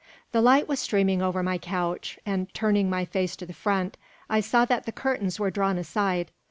The light was streaming over my couch; and, turning my face to the front, I saw that the curtains were drawn aside.